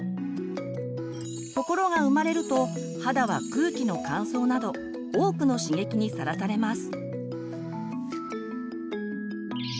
ところが生まれると肌は空気の乾燥など多くの刺激にさらされます。